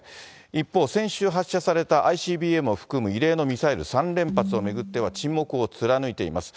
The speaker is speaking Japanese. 一方、先週発射されたＩＣＢＭを含む、異例のミサイル３連発を巡っては、沈黙を貫いています。